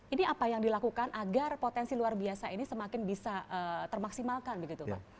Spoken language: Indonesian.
ini apa yang dilakukan agar potensi luar biasa ini semakin bisa termaksimalkan begitu pak